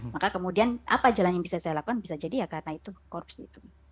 maka kemudian apa jalan yang bisa saya lakukan bisa jadi ya karena itu korupsi itu